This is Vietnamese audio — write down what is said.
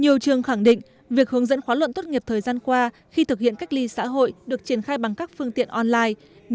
nhiều trường khẳng định việc hướng dẫn khóa luận tốt nghiệp thời gian qua khi thực hiện cách ly xã hội được triển khai bằng các phương tiện online